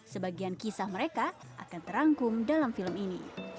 sebagian kisah mereka akan terangkum dalam film ini